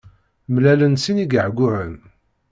Mlalen sin igehguhen.